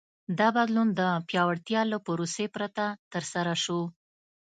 دا بدلون د پیاوړتیا له پروسې پرته ترسره شو.